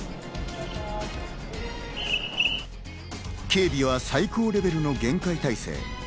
警備は最高レベルの厳戒態勢。